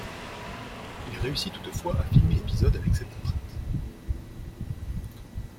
Il réussit toutefois à filmer l'épisode avec cette contrainte.